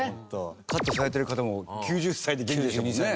カットされてる方も９０歳で元気でしたもんね。